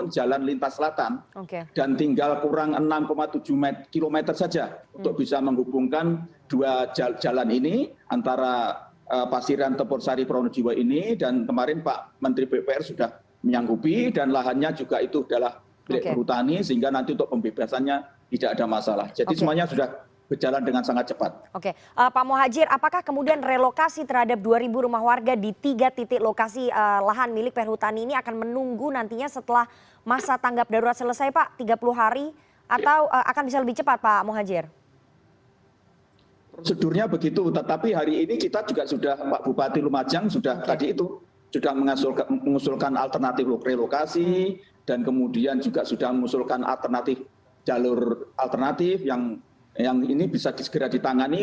jalur alternatif yang ini bisa segera ditangani